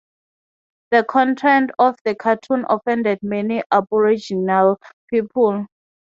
The content of the cartoon offended many Aboriginal people.